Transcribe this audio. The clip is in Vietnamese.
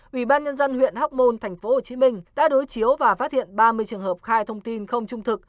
ủy ban nhân dân huyện hóc môn thành phố hồ chí minh đã đối chiếu và phát hiện ba mươi trường hợp khai thông tin không trung thực